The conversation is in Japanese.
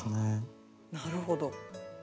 なるほど。